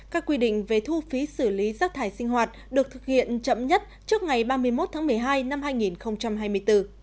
các quy định về thu phí xử lý rác thải sinh hoạt được thực hiện chậm nhất trước ngày ba mươi một tháng một mươi hai năm hai nghìn hai mươi bốn